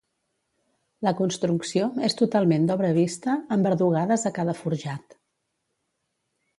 La construcció és totalment d'obra vista, amb verdugades a cada forjat.